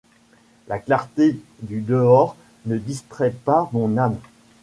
La clarté du dehors ne distrait pas mon âme.